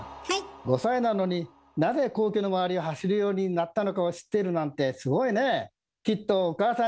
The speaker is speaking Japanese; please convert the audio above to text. ５歳なのになぜ皇居の周りを走るようになったのかを知っているなんてすごいね！